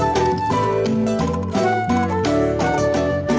enggak jam kulianya masih agak lama